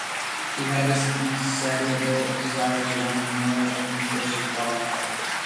He had this insatiable desire to learn more and push his body harder.